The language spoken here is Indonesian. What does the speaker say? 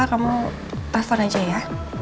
kamu telfon aja ya